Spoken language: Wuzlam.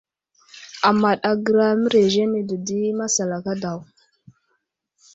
Amaɗ agəra mərez ane dədi masalaka daw.